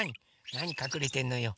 なにかくれてんのよ。